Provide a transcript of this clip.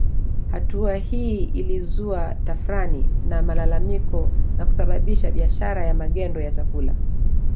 Hatua hii ilizua tafrani na malalamiko na kusababisha biashara ya magendo ya chakula